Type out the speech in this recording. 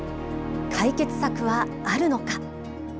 解決策はあるのか。